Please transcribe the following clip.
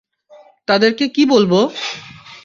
তাদেরকে কী বলবো?